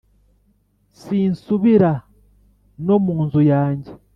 sinsubira no mu nzu yanjye,